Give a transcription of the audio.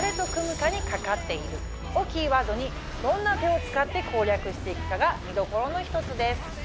をキーワードにどんな手を使って攻略していくかが見どころの一つです。